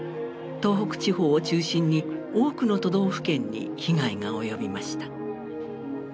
東北地方を中心に多くの都道府県に被害が及びました。